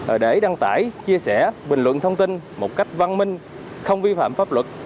ở đấy đăng tải chia sẻ bình luận thông tin một cách văn minh không vi phạm pháp luật